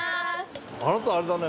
あなたあれだね？